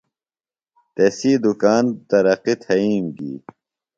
تسی دُکان ترقیۡ تھئیم گی۔